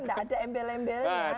tidak ada embel embelnya